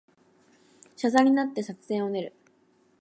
車座になって作戦を練る